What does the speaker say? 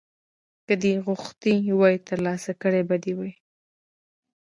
که دې غوښتي وای ترلاسه کړي به دې وو.